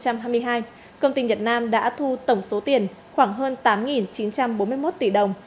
công ty nhật nam đã thu tổng số tiền khoảng hơn tám chín trăm bốn mươi một tỷ đồng